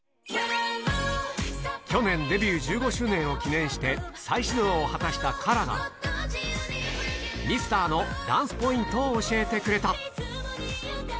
去年デビュー１５周年を記念して再始動を果たしたＫＡＲＡが、ミスターのダンスポイントを教えてくれた。